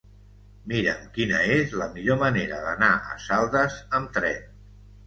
Mira'm quina és la millor manera d'anar a Saldes amb tren.